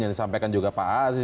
yang disampaikan juga pak aziz